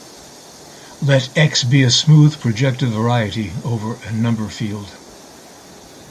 Let "X" be a smooth projective variety over a number field.